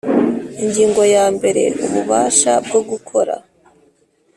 Ingingo ya mbere Ububasha bwo gukora